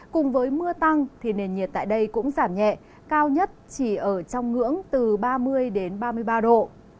cùng với mưa tăng thì nền nhiệt tại đây cũng giảm nhẹ cao nhất chỉ ở trong ngưỡng từ ba mươi ba mươi ba độ